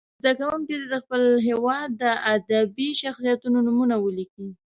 زده کوونکي دې د خپل هېواد د ادبي شخصیتونو نومونه ولیکي.